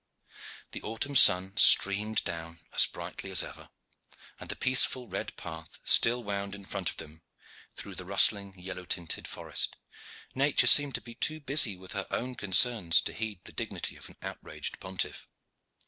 The autumn sun streamed down as brightly as ever, and the peaceful red path still wound in front of them through the rustling, yellow tinted forest, Nature seemed to be too busy with her own concerns to heed the dignity of an outraged pontiff.